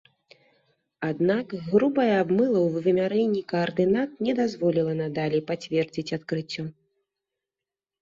Аднак грубая абмыла ў вымярэнні каардынат не дазволіла надалей пацвердзіць адкрыццё.